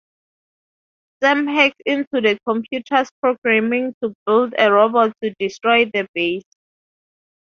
Sam hacks into the computer's programming to build a robot to destroy the base.